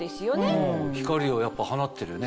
光をやっぱ放ってるよね。